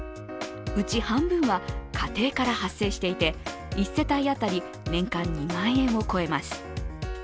うち半分は家庭から発生していて、１世帯当たり年間２万円を超えます。